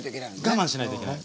我慢しないといけない。